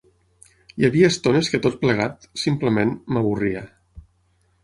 Hi havia estones que tot plegat, simplement, m'avorria